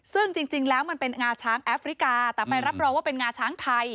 ซึ่งจริงแล้วมันเป็นงาช้างแอฟริกาแต่ไปรับรองว่าเป็นงาช้างไทย